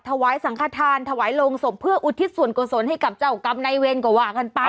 ถวายสังขทานถวายโรงศพเพื่ออุทิศส่วนกุศลให้กับเจ้ากรรมในเวรกว่ากันไป